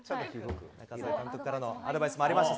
監督からのアドバイスもありました。